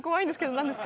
何ですか？